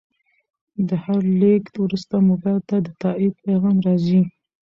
د هر لیږد وروسته موبایل ته د تایید پیغام راځي.